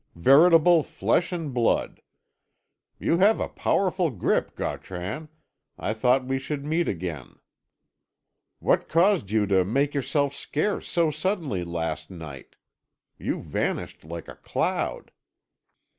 Veritable flesh and blood. You have a powerful grip, Gautran. I thought we should meet again. What caused you to make yourself scarce so suddenly last night? You vanished like a cloud."